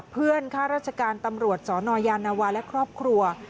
ข้าราชการตำรวจสนยานวาและครอบครัว